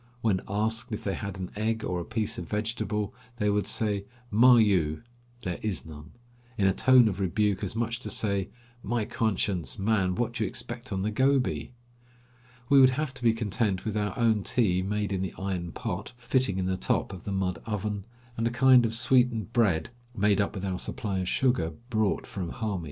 When asked if they had an egg or a piece of vegetable, they would shout "Ma you" ("There is none") in a tone of rebuke, as much as to say: "My conscience ! man, what do you expect on the Gobi?" We would have to be content with our own tea made in the iron pot, fitting in the top of the mud oven, and a kind of sweetened bread made up with our supply of sugar brought from Hami.